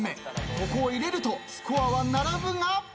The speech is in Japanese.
ここを入れるとスコアは並ぶが。